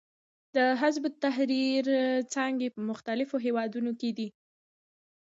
د حزب التحریر څانګې په مختلفو هېوادونو کې دي.